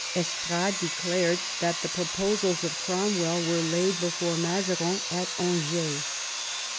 Estrades declared that the proposals of Cromwell were laid before Mazarin at Angers.